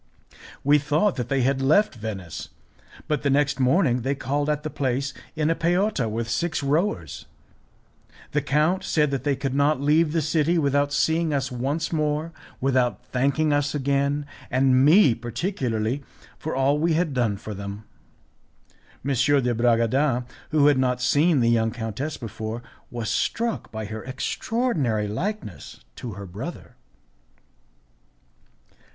We thought that they had left Venice, but the next morning they called at the place in a peotta with six rowers. The count said that they could not leave the city without seeing us once more; without thanking us again, and me particularly, for all we had done for them. M. de Bragadin, who had not seen the young countess before, was struck by her extraordinary likeness to her brother.